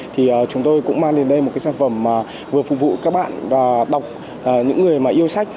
thì chúng tôi cũng mang đến đây một cái sản phẩm vừa phục vụ các bạn đọc những người mà yêu sách